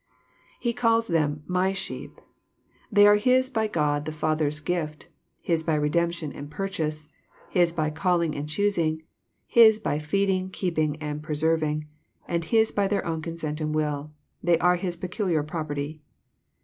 He calls them, " My sheep." They are His by God the Father's gift,— His by redemption and purchase, — His by calling and choosing, — His by feeding, keeping, and preserving, 'and His by their own consent and will. They are His peculiar property.